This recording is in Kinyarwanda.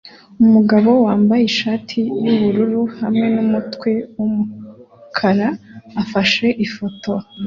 Umugabo wambaye ishati yubururu hamwe numutwe wumukara ufashe ifoto